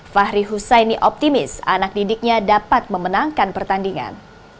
fahri husaini optimis anak didiknya dapat memenangkan pertandingan